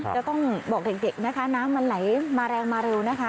จะต้องบอกเด็กนะคะน้ำมันไหลมาแรงมาเร็วนะคะ